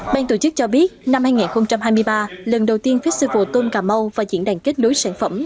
ban tổ chức cho biết năm hai nghìn hai mươi ba lần đầu tiên festival tôn cà mau và diễn đàn kết nối sản phẩm